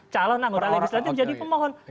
calon anggota legislatif jadi pemohon